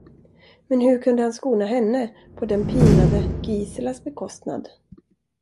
Men hur kunde han skona henne på den pinade Giselas bekostnad?